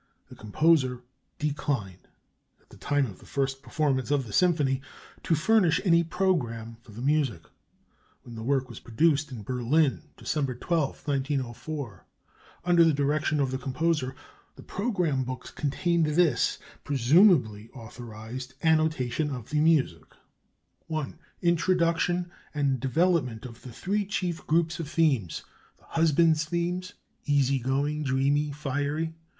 The composer declined, at the time of the first performance of the symphony, to furnish any programme for the music. When the work was produced in Berlin (December 12, 1904), under the direction of the composer, the programme books contained this (presumably authorized) annotation of the music: "I. INTRODUCTION and development of the three chief groups of themes: The husband's themes: (a) Easy going, (b) Dreamy, (c) Fiery.